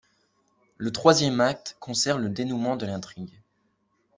Le troisième acte concerne le dénouement de l'intrigue.